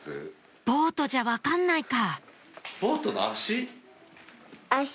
ボートじゃ分かんないかボートの足？